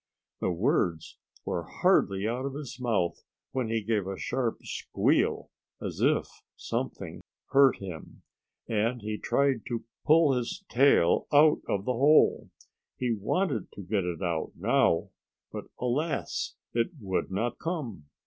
The words were hardly out of his mouth when he gave a sharp squeal, as if something hurt him. And he tried to pull his tail out of the hole. He wanted to get it out now. But alas! it would not come!